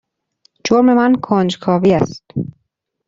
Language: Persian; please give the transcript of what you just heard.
جرم من کنجکاوی است.